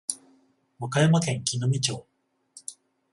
和歌山県紀美野町